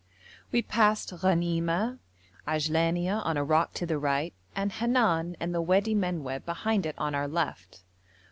We passed Ghanima, Ajlania on a rock to the right, and Henan and the Wadi Menwab behind it on our left.